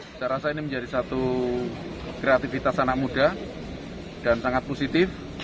saya rasa ini menjadi satu kreativitas anak muda dan sangat positif